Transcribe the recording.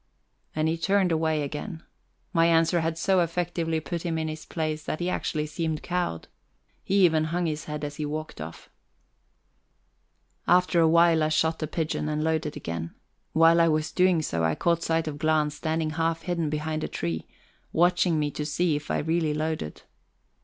And he turned away again. My answer had so effectively put him in his place that he actually seemed cowed: he even hung his head as he walked off. After a while I shot a pigeon, and loaded again. While I was doing so, I caught sight of Glahn standing half hidden behind a tree, watching me to see if I really loaded.